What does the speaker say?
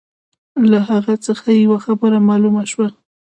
له هغه څخه یوه خبره معلومه شوه.